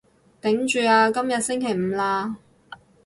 頂住啊，今日星期五喇